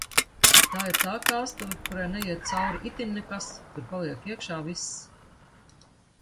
Tā ir tā kāstuve, kurai neiet cauri itin nekas, tur paliek iekšā viss.